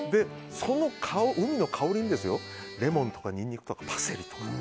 その海の香りにレモンとかニンニクとかパセリとか。